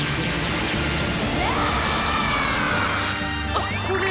あっこれ。